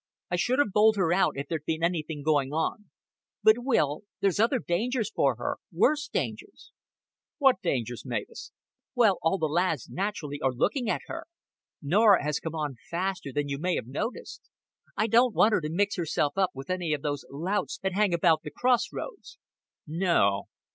I should have bowled her out if there'd been anything going on. But, Will, there's other dangers for her worse dangers." "What dangers, Mavis?" "Well, all the lads naturally are looking at her. Norah has come on faster than you may have noticed. I don't want her to mix herself up with any of those louts that hang about the Cross Roads." "No."